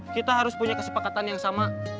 kita harus punya kesepakatan yang sama